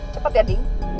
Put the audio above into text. cepat ya ding